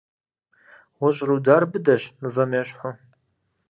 ГъущӀ рудар быдэщ, мывэм ещхьу.